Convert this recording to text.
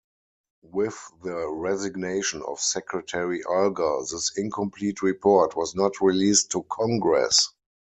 With the resignation of Secretary Alger, this incomplete report was not released to Congress.